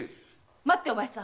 待ってお前さん！